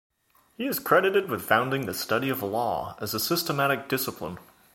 He is credited with founding the study of law as a systematic discipline.